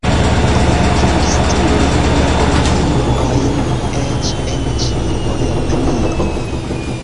Oni vendis tiujn Magomobil-ojn eĉ en Ĉinio, Japanio.